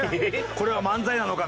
これは漫才なのか？